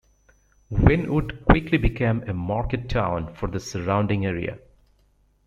Wynnewood quickly became a market town for the surrounding area.